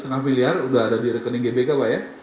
rp satu ratus lima puluh miliar udah ada di rekening gbk pak ya